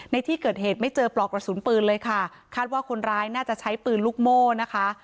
ในที่เกิดเหตุไม่เจอปลอกกระสุนปืนเลยค่ะคาดว่าคนร้ายน่าจะใช้ปืนลูกโม่นะคะ